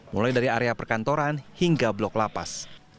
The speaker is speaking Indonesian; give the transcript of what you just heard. mulai dari area perkantoran hingga blok lapas